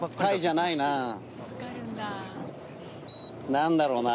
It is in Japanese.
何だろうな。